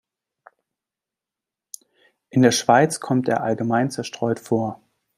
In der Schweiz kommt er allgemein zerstreut vor.